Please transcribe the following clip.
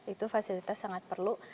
itu fasilitas sangat perlu